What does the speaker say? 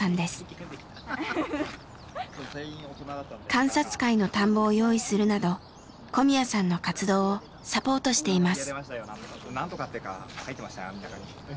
観察会の田んぼを用意するなど小宮さんの活動をサポートしています。